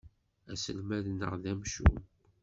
Aselmad-nneɣ d amcum.